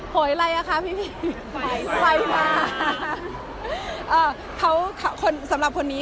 เฮยไรอ่ะคะพี่